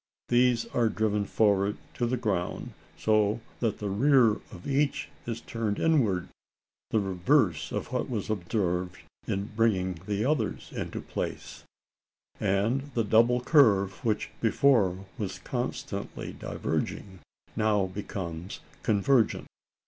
These are driven forward to the ground, so that the rear of each is turned inward the reverse of what was observed in bringing the others into place and the double curve which before was constantly diverging, now becomes convergent.